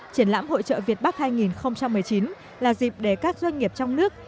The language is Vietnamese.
triển lãm hội trợ việt bắc hai nghìn một mươi chín là dịp để các doanh nghiệp trong nước